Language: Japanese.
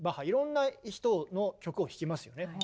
いろんな人の曲を弾きますよね。